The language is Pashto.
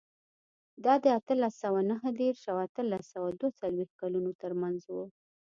دا د اتلس سوه نهه دېرش او اتلس سوه دوه څلوېښت کلونو ترمنځ و.